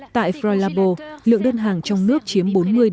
tại froy labo lượng đơn hàng trong nước chiếm bốn mươi năm mươi